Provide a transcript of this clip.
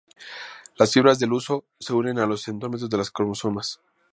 Las fibras del huso se unen a los centrómeros de los cromosomas.